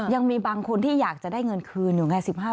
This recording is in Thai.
ยังมีบางคนที่อยากจะได้เงินคืนอยู่ไง